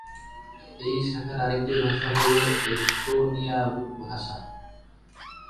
এই শাখার আরেকটি ভাষা হল এস্তোনীয় ভাষা।